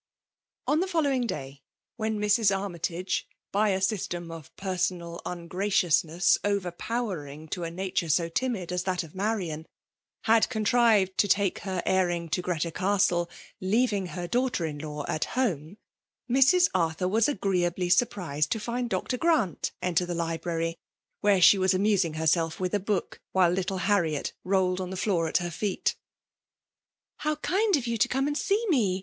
On the following day, when Mrs. Armytage, by a system of personal ma^aeiousness over powering to a nature so timid as that of Marian, had contrived to take her airing to Greta Castle, leaving her daughter in law at home, Mrs. Arthur was agreeably surprised to find Dr. Grant enter the library, where she was amusing herself with a book, while littlo Harriet rolled on the floor at her feet '' How kind of you to come and see me